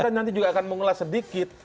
tapi kita nanti juga akan mengulas sedikit